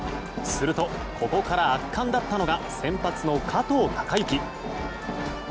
すると、ここから圧巻だったのが先発の加藤貴之。